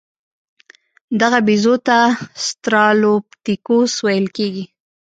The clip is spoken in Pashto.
دغه بیزو ته اوسترالوپیتکوس ویل کېده.